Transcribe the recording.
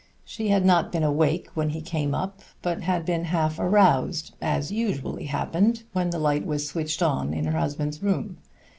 She had not been awake when he came up, but had been half aroused, as usually happened, when the light was switched on in her husband's room.